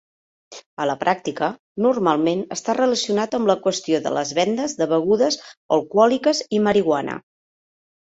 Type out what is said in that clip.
A la pràctica, normalment està relacionat amb la qüestió de les vendes de begudes alcohòliques i marihuana.